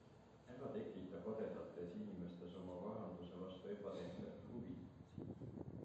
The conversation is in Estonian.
Ära tekita kadedates inimestes oma varanduse vastu ebatervet huvi.